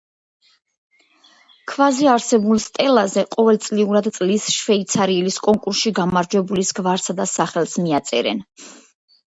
ქვაზე არსებულ სტელაზე ყოველწლიურად „წლის შვეიცარიელის“ კონკურსში გამარჯვებულის გვარსა და სახელს მიაწერენ.